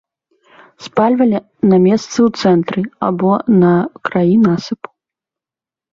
Спальвалі на месцы ў цэнтры або на краі насыпу.